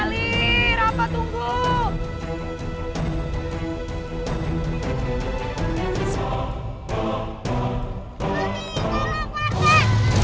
berudak bertahan aduh berudak